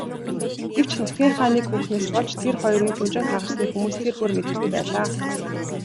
Гэвч нутгийнхаа нэг хүүхнээс болж тэр хоёрын түнжин хагарсныг хүмүүс тэр бүр мэдэхгүй байлаа.